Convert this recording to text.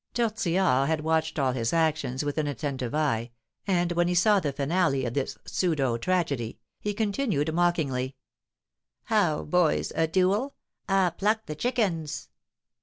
Tortillard had watched all his actions with an attentive eye, and, when he saw the finale of this pseudo tragedy, he continued, mockingly, "How, boys, a duel? Ah, pluck the chickens!"